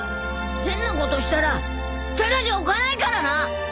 変なことしたらただじゃ置かないからな！